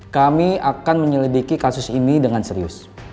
kami akan menyelidiki kasus ini dengan serius